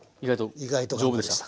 意外とでした。